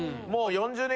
４０年